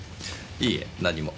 いいえ何も。